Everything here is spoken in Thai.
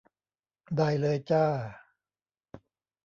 ได้เลยจ้า